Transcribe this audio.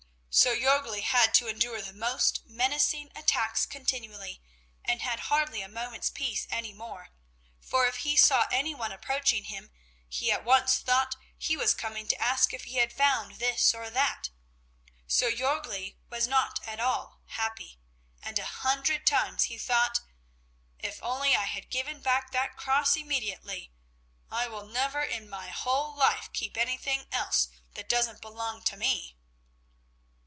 So Jörgli had to endure the most menacing attacks continually, and had hardly a moment's peace any more, for if he saw any one approaching him, he at once thought he was coming to ask if he had found this or that. So Jörgli was not at all happy; and a hundred times he thought: "If only I had given back that cross immediately! I will never in my whole life keep anything else that doesn't belong to me."